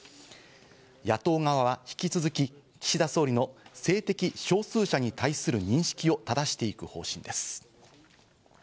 野党側は引き続き岸田総理の性的少数者に対する認識をただしていく方針です。